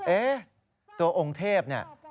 เอ๊ะตัวองค์เทพเนี่ย